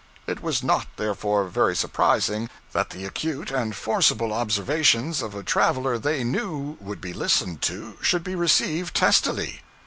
It was not, therefore, very surprising that the acute and forcible observations of a traveler they knew would be listened to should be received testily.